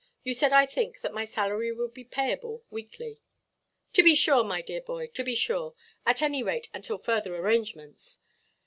You said, I think, that my salary would be payable weekly." "To be sure, my dear boy, to be sure. At any rate until further arrangements."